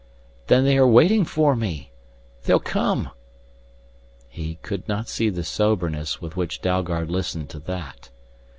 "Then they are waiting for me They'll come!" He could not see the soberness with which Dalgard listened to that.